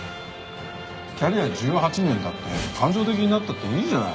キャリア１８年だって感情的になったっていいじゃない。